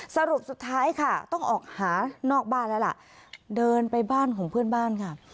สรุปสุดท้ายค่ะต้องออกหานอกบ้านแล้วล่ะเดินไปบ้านของเพื่อนบ้านค่ะ